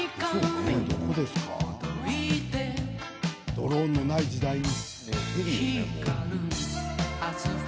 ドローンのない時代に。